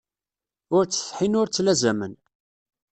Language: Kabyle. Ur ttsethin ur ttlazamen.